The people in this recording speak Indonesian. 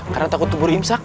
karena takut tumbuh rimsak